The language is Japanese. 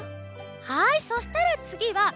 はいそしたらつぎはこのね